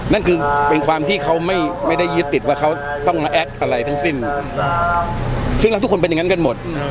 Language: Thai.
นั่นคือเป็นความที่เขาไม่ได้ยึดติดว่าเขาต้องมาแอคอะไรทั้งสิ้นซึ่งเราทุกคนเป็นอย่างนั้นกันหมด